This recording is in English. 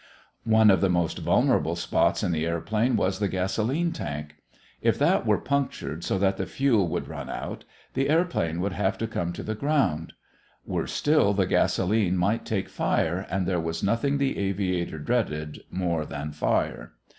One of the most vulnerable spots in the airplane was the gasolene tank. If that were punctured so that the fuel would run out, the airplane would have to come to the ground. Worse still, the gasolene might take fire and there was nothing the aviator dreaded more than fire.